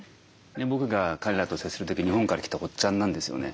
僕が彼らと接する時「日本から来たおっちゃん」なんですよね。